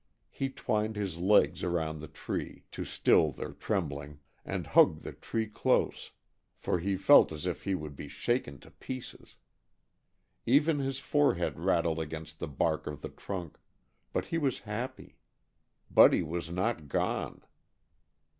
He twined his legs around the tree, to still their trembling, and hugged the tree close, for he felt as if he would be shaken to pieces. Even his forehead rattled against the bark of the trunk, but he was happy. Buddy was not gone!